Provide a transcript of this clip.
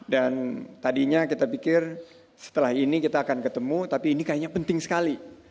dan tadinya kita pikir setelah ini kita akan ketemu tapi ini kayaknya penting sekali